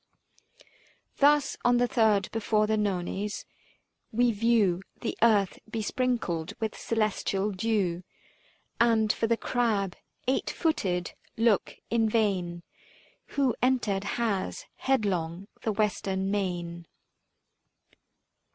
Thus, on the third before the Nones, we view 335 The earth besprinkled with celestial dew, And for the Crab, eight footed, look in vain ; Who entered has, headlong the Western main.